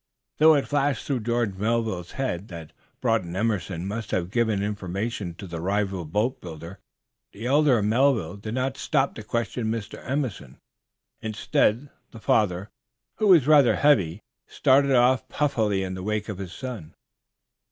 Though it flashed through George Melville's head that Broughton Emerson must have given information to the rival boatbuilder, the elder Melville did not now stop to question Mr. Emerson. Instead, the father, who was rather heavy, started off puffily in the wake of his son.